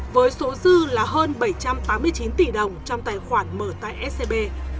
với số dư là hơn bảy trăm tám mươi chín tỷ đồng trong tài khoản mở tại scb